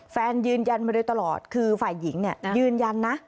แฟนยืนยันมาเลยตลอดคือฝ่ายหญิงยืนยันนะ